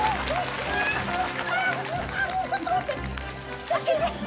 ちょっと待って先が。